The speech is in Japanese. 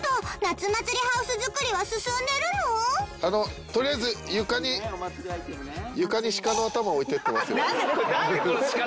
それはそうととりあえず床に床に鹿の頭を置いていってますよ。